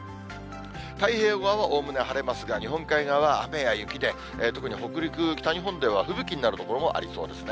太平洋側はおおむね晴れますが、日本海側は雨や雪で、特に北陸、北日本では吹雪になる所もありそうですね。